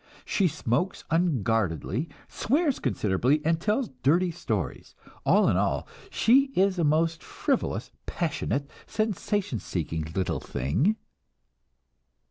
She smokes unguardedly, swears considerably, and tells 'dirty' stories. All in all, she is a most frivolous, passionate, sensation seeking little thing."